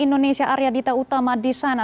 indonesia arya dita utama di sana